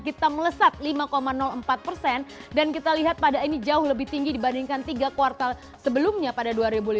kita melesat lima empat persen dan kita lihat pada ini jauh lebih tinggi dibandingkan tiga kuartal sebelumnya pada dua ribu lima belas